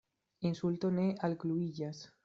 Insulto ne algluiĝas.